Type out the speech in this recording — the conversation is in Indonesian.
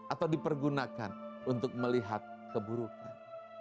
atau dipergunakan untuk melihat keburukan